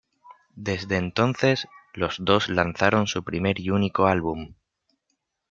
Desde entonces, los dos lanzaron su primer y único álbum.